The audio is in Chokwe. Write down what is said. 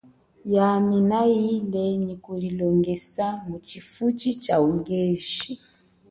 Yami na ile nyi kulilongesa mutshifutshi chaungeji.